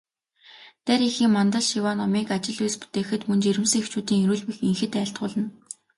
Дарь эхийн мандал шиваа номыг ажил үйлс бүтээхэд, мөн жирэмсэн эхчүүдийн эрүүл энхэд айлтгуулна.